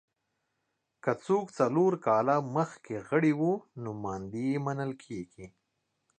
که څوک څلور کاله مخکې غړي وو نوماندي یې منل کېږي